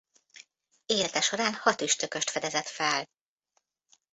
Élete során hat üstököst fedezett fel.